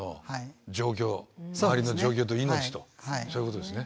周りの状況と命とそういうことですね。